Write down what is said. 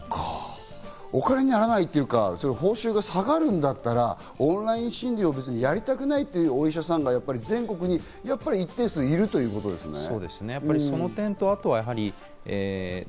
お金にならないっていうか、報酬が下がるんだったら、オンライン診療は別にやりたくないっていうお医者さんが全国にやっぱり一定数いるってことですね。